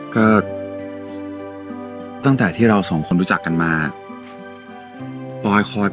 ก็ตั้งแต่ที่เราสองคนรู้จักกันมาปลอยคอย